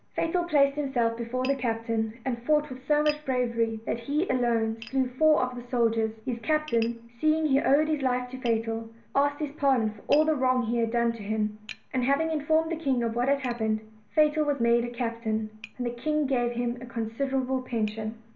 Fatal placed himself before the captain, and fought with so much bravery that he alone slew four of the soldiers. His captain, seeing he owed his life to Fatal, asked his pardon for all the wrong he had done him; and having informed the king of what had hap pened, Fatal was made a captain, and the king gave him a considerable pension.